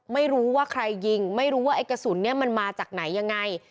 ไม่รู้ว่าใครยิงไม่รู้ว่าไอ้กระสุนเนี่ยมันมาจากไหนยังไง